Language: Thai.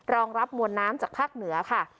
รองรับมวลน้ำจากภาคเหนือค่ะ